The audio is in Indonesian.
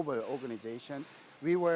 dalam organisasi global